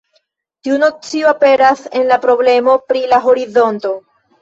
Tiu nocio aperas en la problemo pri la horizonto.